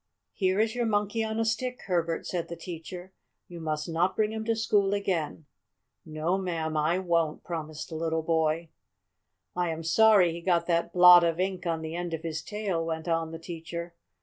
"Here is your Monkey on a Stick, Herbert," said the teacher. "You must not bring him to school again." "No'm, I won't!" promised the little boy. "I am sorry he got that blot of ink on the end of his tail," went on the teacher.